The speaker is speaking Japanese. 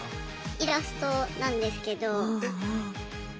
イラストなんですけど。